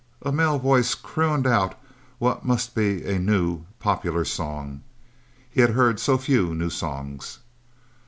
A male voice crooned out what must be a new, popular song. He had heard so few new songs.